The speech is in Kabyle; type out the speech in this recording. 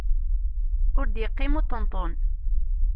Ur d-yeqqim uṭenṭun!